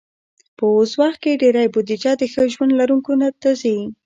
په اوس وخت کې ډېری بودیجه د ښه ژوند لرونکو ته ځي.